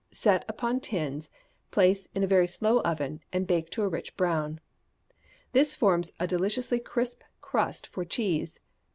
Set upon tins, place in a very slow oven, and bake to a rich brown. This forms a deliciously crisp crust for cheese.